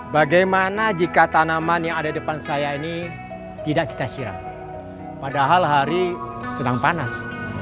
bagaimana jika tanaman yang ada di depan saya ini tidak kita siram padahal hari sedang panas